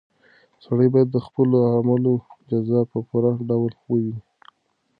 سړی باید د خپلو اعمالو جزا په پوره ډول وویني.